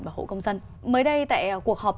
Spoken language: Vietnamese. bảo hộ công dân mới đây tại cuộc họp